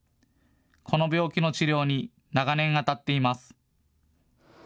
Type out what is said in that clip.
この病気の治療に長年あたっています。